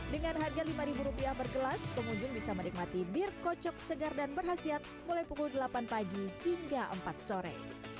dengan harga rp lima per gelas pengunjung bisa menikmati bir kocok segar dan berhasiat mulai pukul delapan pagi hingga empat sore